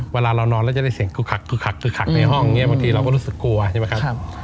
เวลาเรานอนแล้วจะได้เสียงคึกคักในห้องเนี่ยบางทีเราก็รู้สึกกลัวใช่ไหมครับ